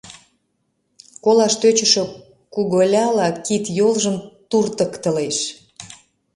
Колаш тӧчышӧ куголяла кид-йолжым туртыктылеш.